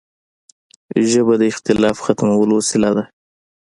ژبه د اختلاف ختمولو وسیله ده